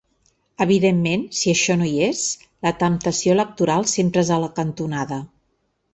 Evidentment, si això no hi és, la temptació electoral sempre és a la cantonada.